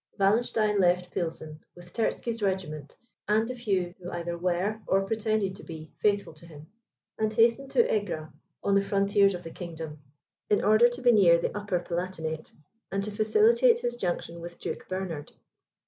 Wallenstein left Pilsen, with Terzky's regiment, and the few who either were, or pretended to be, faithful to him, and hastened to Egra, on the frontiers of the kingdom, in order to be near the Upper Palatinate, and to facilitate his junction with Duke Bernard.